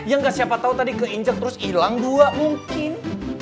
ya nggak siapa tau tadi keinjak terus ilang dua mungkin